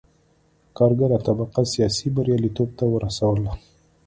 کارګره طبقه سیاسي بریالیتوب ته ورسوله.